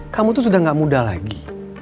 kamu tuh sudah gak muda lagi